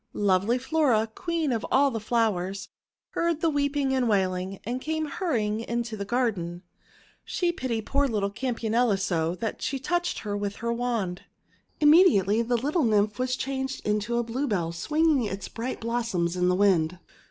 Lovely Flora, Queen of all the Flowers, heard the weeping and wailing, and came hurrying into the garden. She pitied poor little Campa nula so, that she touched her with her wand. Im mediately the little Nymph was changed into a Bluebell swinging its bright blossoms in the wind.